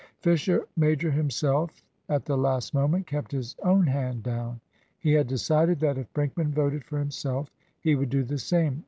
Fisher major himself at the last moment kept his own hand down. He had decided that, if Brinkman voted for himself, he would do the same.